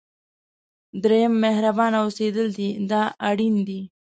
دریم مهربانه اوسېدل دی دا اړین دي.